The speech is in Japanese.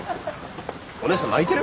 お姉さん泣いてる？